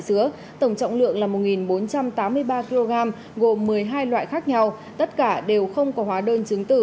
dứa tổng trọng lượng là một bốn trăm tám mươi ba kg gồm một mươi hai loại khác nhau tất cả đều không có hóa đơn chứng tử